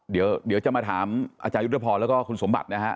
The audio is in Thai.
เดี๋ยวจะมาถามอาจารยุทธพรแล้วก็คุณสมบัตินะฮะ